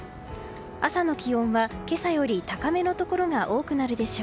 朝の気温は今朝より高めのところが多くなるでしょう。